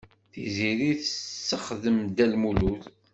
Tiziri tessexdem Dda Lmulud.